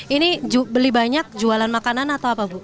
ini beli banyak jualan makanan atau apa bu